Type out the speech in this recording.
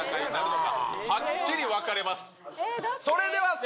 はっきり分かれます。